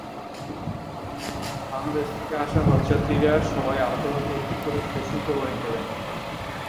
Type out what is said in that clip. বাংলাদেশ থেকে আসা হজযাত্রীরা সবাই আলাদাভাবে একটি করে পশু কোরবানি দেবেন।